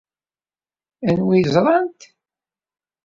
Anwa ay ẓrant?